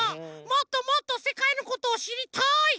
もっともっとせかいのことをしりたい！